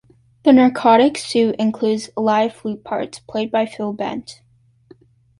"The Narcotic Suite" includes live flute parts, played by Phil Bent.